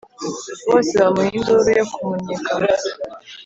bose bamuha induru yo kumunnyega.